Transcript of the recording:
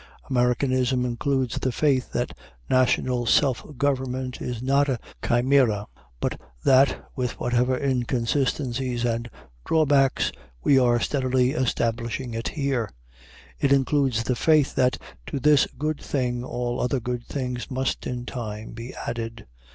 Americanism includes the faith that national self government is not a chimera, but that, with whatever inconsistencies and drawbacks, we are steadily establishing it here. It includes the faith that to this good thing all other good things must in time be added.